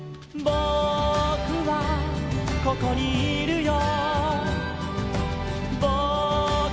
「ぼくはここにいるよ」